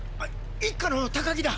一課の高木だ。